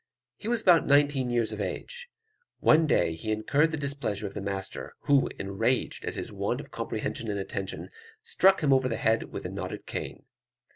He was about nineteen years of age. One day he incurred the displeasure of the master, who, enraged at his want of comprehension and attention, struck him over the head with a knotted cane.